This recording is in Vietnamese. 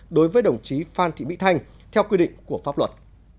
đối với đồng chí phan thị mỹ thanh theo quy định của pháp luật